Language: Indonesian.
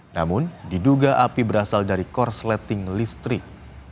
namun diduga api berasal dari korsleting listrik